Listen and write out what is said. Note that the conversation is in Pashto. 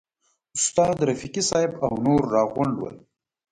استاد رفیقي صاحب او نور راغونډ ول.